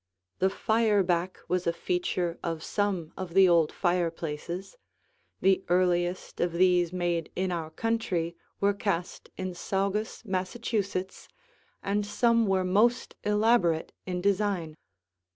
The fireback was a feature of some of the old fireplaces. The earliest of these made in our country were cast in Saugus, Massachusetts, and some were most elaborate in design.